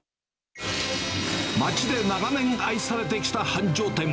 町で長年愛されてきた繁盛店。